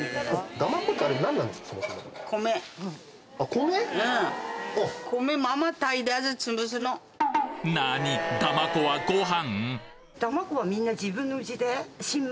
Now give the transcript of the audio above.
だまこはご飯！？